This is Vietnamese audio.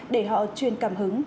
để họ truyền cảm hứng